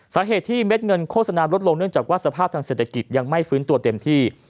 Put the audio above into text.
สาเหตุที่เม็ดเงินโฆษณาลดลงเนื่องจากว่าสภาพทางเศรษฐกิจยังไม่ฟื้นตัวเต็มที่